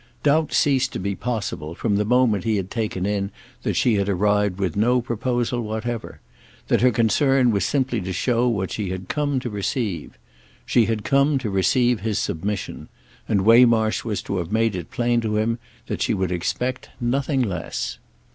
Doubt ceased to be possible from the moment he had taken in that she had arrived with no proposal whatever; that her concern was simply to show what she had come to receive. She had come to receive his submission, and Waymarsh was to have made it plain to him that she would expect nothing less.